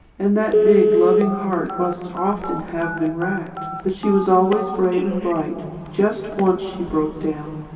And that big, loving heart must often have been racked; but she was always brave and bright. Just once she broke down.